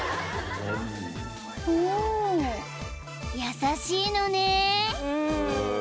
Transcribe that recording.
［優しいのね］